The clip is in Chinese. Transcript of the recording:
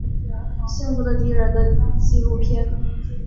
幸福的敌人的纪录片。